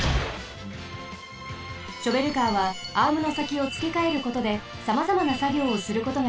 ショベルカーはアームのさきをつけかえることでさまざまなさぎょうをすることができます。